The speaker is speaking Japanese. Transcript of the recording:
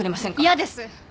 嫌です。